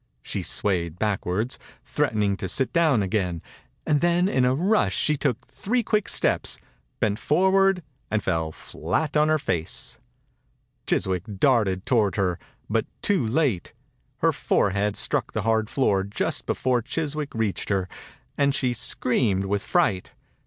She swayed backward, threat ening to sit down again, and then in a rush she took three quick steps, bent forward and fell flat on her face. Chiswick darted toward her, but too late. Her forehead struck the hard floor just before Chiswick reached her, and she screamed with fright.